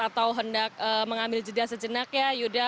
atau hendak mengambil jeda sejenak ya yuda